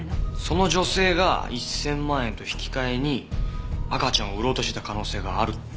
その女性が１千万円と引き換えに赤ちゃんを売ろうとしてた可能性があるって事か。